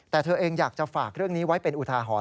แต่เธอเองอยากจะฝากเรื่องนี้ไว้เป็นอุทาหรณ